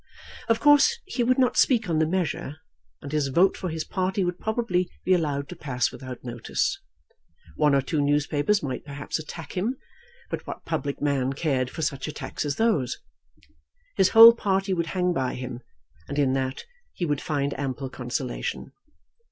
Of course he would not speak on the measure, and his vote for his party would probably be allowed to pass without notice. One or two newspapers might perhaps attack him; but what public man cared for such attacks as those? His whole party would hang by him, and in that he would find ample consolation.